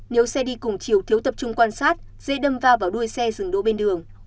nếu xe đi cùng chiều thiếu tập trung quan sát dễ đâm va vào đuôi xe dừng đôi bên đường